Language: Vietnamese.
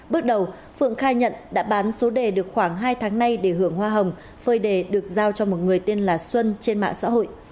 bước đầu phượng khai nhận đã bán số đề được khoảng hai tháng nay để hưởng hoa hồng phơi đề được giao cho một người tên là xuân trên mạng xã hội